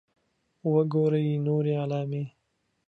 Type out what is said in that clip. .وګورئ نورې علامې